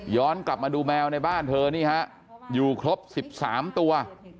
กลับมาดูแมวในบ้านเธอนี่ฮะอยู่ครบ๑๓ตัว